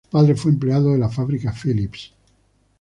Su padre fue empleado de la fábrica Philips.